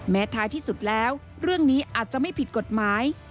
ท้ายที่สุดแล้วเรื่องนี้อาจจะไม่ผิดกฎหมาย